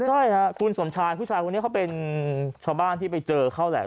ใช่ค่ะคุณสมชายผู้ชายคนนี้เขาเป็นชาวบ้านที่ไปเจอเขาแหละ